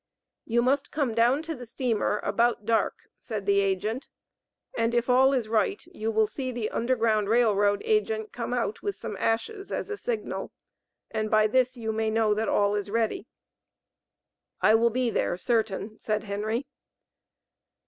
"You must come down to the steamer about dark," said the agent "and if all is right you will see the Underground Rail Road agent come out with some ashes as a signal, and by this you may know that all is ready." "I will be there certain," said Henry.